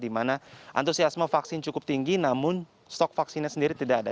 di mana antusiasme vaksin cukup tinggi namun stok vaksinnya sendiri tidak ada